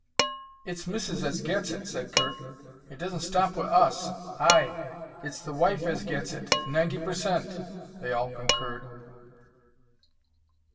"It's Missis as gets it," said Kirk. "It doesn't stop wi' us." "Ay, it's the wife as gets it, ninety per cent," they all concurred.